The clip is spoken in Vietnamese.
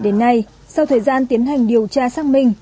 đến nay sau thời gian tiến hành điều tra xác minh